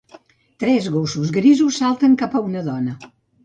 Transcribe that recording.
Tres gossos grisos salten cap a una dona.